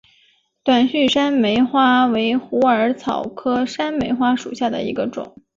短序山梅花为虎耳草科山梅花属下的一个种。